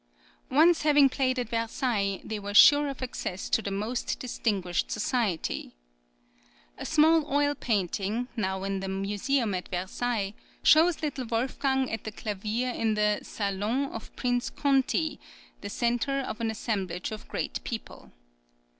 Once having played at Versailles, they were sure of access to the most distinguished society.[20022]A small oil painting, now in the Museum at Versailles, shows little Wolfgang at the clavier in the salon of Prince Conti, the centre of an assemblage of great people.